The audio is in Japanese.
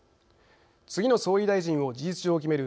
次の総理大臣を事実上決める